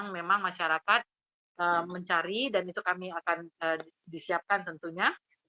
memang masyarakat mencari dan itu kami akan disiapkan tentunya